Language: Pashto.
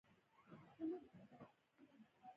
د حمل پر شپاړلسمه نېټه افغانانو نړۍ ته خپله څېره.